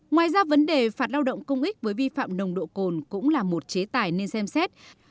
ngoài ra vấn đề phạt lao động công ích với vi phạm nồng độ cồn cũng là một chế tài nên xem xét